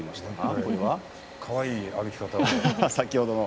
かわいい歩き方。